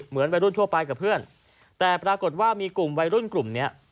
เหมือนวัยรุ่นทั่วไปกับเพื่อนแต่ปรากฏว่ามีกลุ่มวัยรุ่นกลุ่มเนี้ย